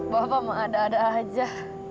bapak mengada ada aja